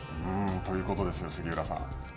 ということです、杉浦さん。